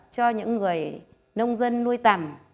cho những người nông dân nuôi tầm